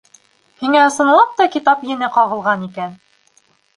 Һиңә ысынлап та китап ене ҡағылған икән!